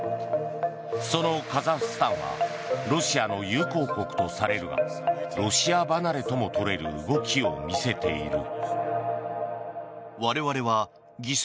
そのカザフスタンはロシアの友好国とされるがロシア離れとも取れる動きを見せている。